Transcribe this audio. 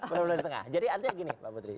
benar benar di tengah jadi artinya gini pak putri